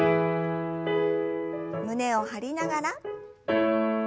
胸を張りながら。